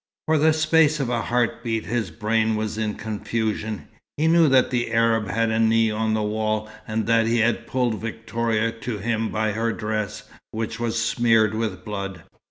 For the space of a heart beat his brain was in confusion. He knew that the Arab had a knee on the wall, and that he had pulled Victoria to him by her dress, which was smeared with blood.